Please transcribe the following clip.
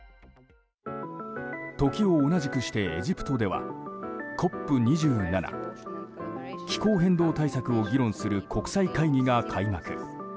時同じくして、エジプトではＣＯＰ２７気候変動対策を議論する国際会議が開幕。